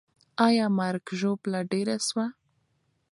آیا مرګ او ژوبله ډېره سوه؟